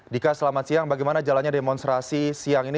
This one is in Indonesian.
dika selamat siang bagaimana jalannya demonstrasi siang ini